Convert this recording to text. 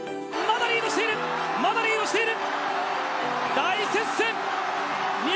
まだリードしている、大接戦。